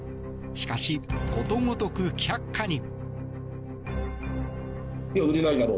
しかし、ことごとく却下に。